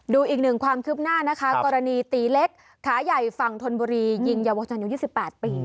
ดูอีกหนึ่งความคืบหน้านะคะกรณีตีเล็กขาใหญ่ฝั่งธนบุรียิงเยาวชนอายุ๒๘ปี